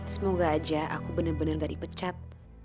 semoga aja aku bener bener gak dipecat